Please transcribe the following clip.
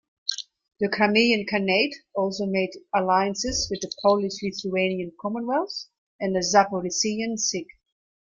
The Crimean Khanate also made alliances with the Polish-Lithuanian Commonwealth, and the Zaporizhian Sich.